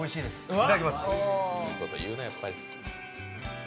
いただきます。